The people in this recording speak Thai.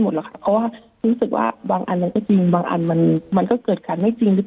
หมดแล้วค่ะเพราะว่านึกจึงบางอันมันก็คือตรงไปจริงหรือ